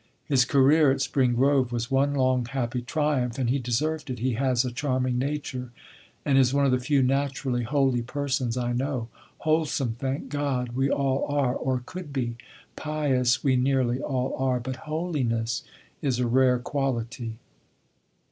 His career at Spring Grove was one long happy triumph, and he deserved it. He has a charming nature, and is one of the few naturally holy persons I know. Wholesome, thank God, we all are, or could be; pious we nearly all are; but holiness is a rare quality.